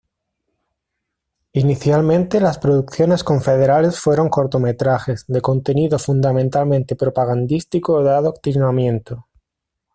Inicialmente, las producciones confederales fueron cortometrajes, de contenido fundamentalmente propagandístico o de adoctrinamiento.